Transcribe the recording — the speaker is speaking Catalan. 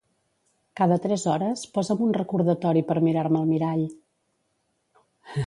Cada tres hores posa'm un recordatori per mirar-me al mirall.